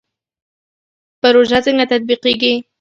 پروژه څنګه تطبیقیږي؟